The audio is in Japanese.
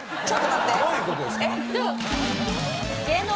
ちょっと待ってえっ？